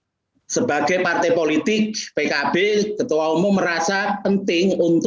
nah ini kemudian sebagai partai politik pkb ketua umum merasa penting untuk mencari penundaan pemilu